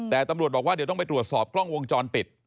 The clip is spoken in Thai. แต่ตำรวจบอกว่าเดี๋ยวต้องไปตรวจสอบกล้องวงจรปิด